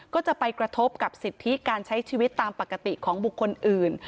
ก็จะไปกระทบกับสิทธิการใช้ชีวิตตามปกติของบุคคลอื่น